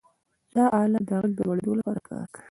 دا آله د غږ د لوړېدو لپاره کاروي.